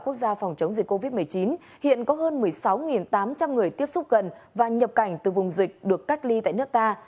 quốc gia phòng chống dịch covid một mươi chín hiện có hơn một mươi sáu tám trăm linh người tiếp xúc gần và nhập cảnh từ vùng dịch được cách ly tại nước ta